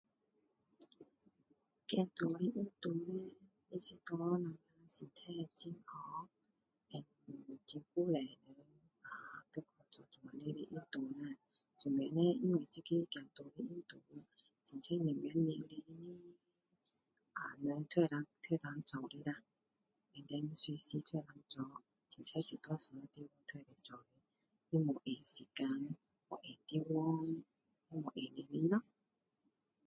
走路的运动对我们的身体很好，像以前的人，ahh 他们做这么多的运动啦。做么呢，因为这走路的运动啦，真正什么年龄的人，都能够，都能够做的啦。And then 随时都能够做，随便去哪里都能做的。没限时间，没限地方，没限年龄咯。